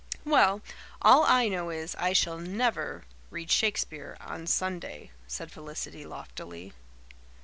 "Well, all I know is, I shall never read Shakespeare on Sunday," said Felicity loftily.